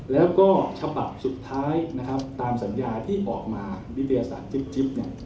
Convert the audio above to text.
แล้วก็ฉบับสุดท้ายตามสัญญาณที่ออกมาบิทยาศาสตร์จิ๊บ